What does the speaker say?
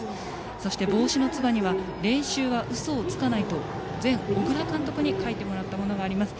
そして、帽子のつばには「練習はうそをつかない」と前小倉監督に書いてもらった言葉がありました。